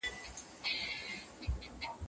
قطب نما ولرئ.